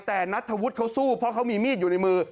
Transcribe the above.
แต่นัทธวุฒิเขาสู้เพราะเขามีมีดอยู่ในมือ